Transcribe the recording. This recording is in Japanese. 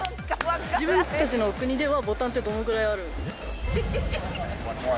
自分たちの国では、ボタンってどのぐらいあるんですか。